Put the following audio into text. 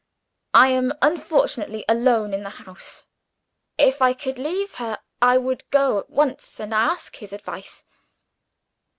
I am unfortunately alone in the house. If I could leave her, I would go at once and ask his advice."